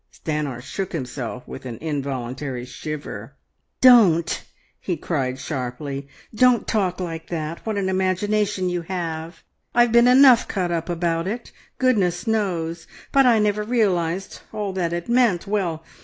Stanor shook himself with an involuntary shiver. "Don't!" he cried sharply. "Don't talk like that! What an imagination you have! I've been enough cut up about it, goodness knows, but I never realised all that it meant. ... Well!